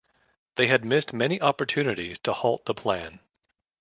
They had missed many opportunities to halt the plan.